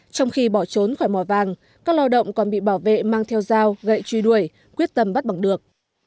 trong khi bỏ trốn khỏi mò vàng các lao động còn bị bảo vệ mang theo dao gậy truy đuổi quyết tâm bắt bằng được